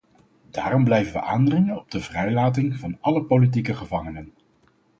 Daarom blijven we aandringen op de vrijlating van alle politieke gevangenen.